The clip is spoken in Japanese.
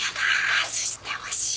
外してほしい。